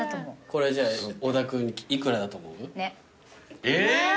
これじゃあ小田君幾らだと思う？え！